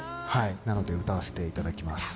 なので、歌わせていただきます。